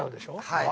はい。